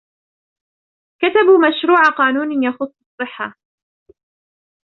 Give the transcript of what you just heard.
كتبوا مشروع قانون يخص الصحة.